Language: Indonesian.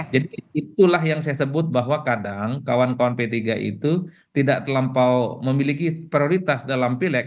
jadi itulah yang saya sebut bahwa kadang kawan kawan p tiga itu tidak terlampau memiliki prioritas dalam pilek